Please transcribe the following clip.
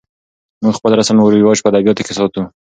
موږ خپل رسم و رواج په ادبیاتو کې ساتو.